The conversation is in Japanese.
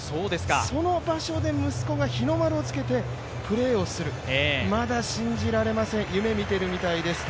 その場所で息子が日の丸をつけてプレーをする、まだ信じられません、夢見てるみたいですと。